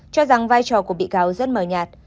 cho rằng vai trò của bị cáo rất mờ nhạt